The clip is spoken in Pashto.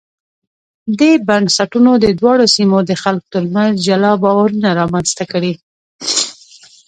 دې بنسټونو د دواړو سیمو د خلکو ترمنځ جلا باورونه رامنځته کړي.